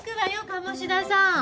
鴨志田さん。